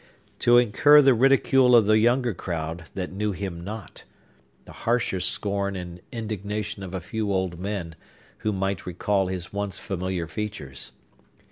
To incur the ridicule of the younger crowd, that knew him not,—the harsher scorn and indignation of a few old men, who might recall his once familiar features!